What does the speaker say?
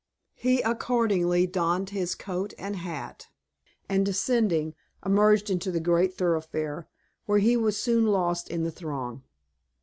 He accordingly donned his coat and hat, and, descending, emerged into the great thoroughfare, where he was soon lost in the throng.